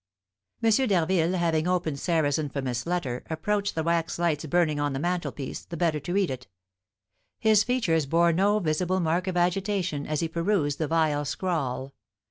M. d'Harville having opened Sarah's infamous letter, approached the wax lights burning on the mantelpiece, the better to read it. His features bore no visible mark of agitation as he perused the vile scrawl.